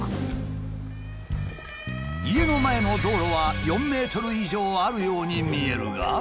家の前の道路は４ｍ以上あるように見えるが。